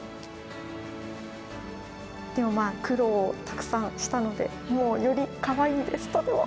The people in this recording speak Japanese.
でもまあ苦労たくさんしたのでもうよりかわいいですとても。